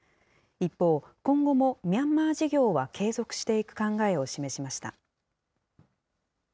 一方、今後もミャンマー事業は継続していく考えを示しました。